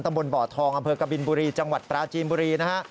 บนบ่อทองอำเภอกบินบุรีจังหวัดปราจีนบุรีนะฮะ